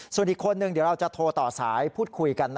ส่วนอีกคนนึงเดี๋ยวเราจะโทรต่อสายพูดคุยกัน